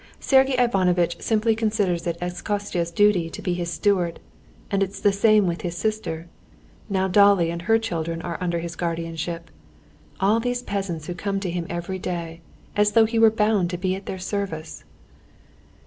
Sergey Ivanovitch simply considers it as Kostya's duty to be his steward. And it's the same with his sister. Now Dolly and her children are under his guardianship; all these peasants who come to him every day, as though he were bound to be at their service."